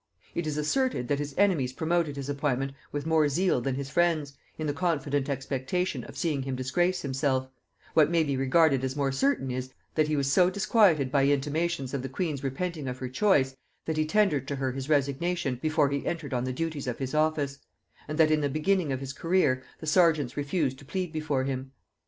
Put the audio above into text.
It is asserted that his enemies promoted his appointment with more zeal than his friends, in the confident expectation of seeing him disgrace himself: what may be regarded as more certain is, that he was so disquieted by intimations of the queen's repenting of her choice, that he tendered to her his resignation before he entered on the duties of his office; and that in the beginning of his career the serjeants refused to plead before him.